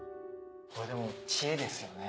これでも知恵ですよね。